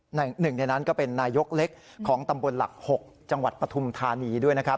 หนึ่งในนั้นก็เป็นนายกเล็กของตำบลหลัก๖จังหวัดปฐุมธานีด้วยนะครับ